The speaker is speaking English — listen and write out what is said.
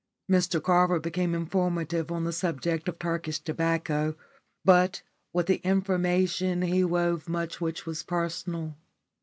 Mr Carver became informative on the subject of Turkish tobacco, but with the information he wove much which was personal.